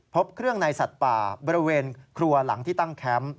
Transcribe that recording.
พบเครื่องในสัตว์ป่าบริเวณครัวหลังที่ตั้งแคมป์